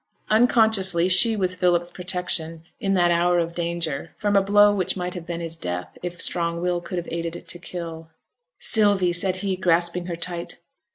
Unconsciously she was Philip's protection, in that hour of danger, from a blow which might have been his death if strong will could have aided it to kill. 'Sylvie!' said he, grasping her tight.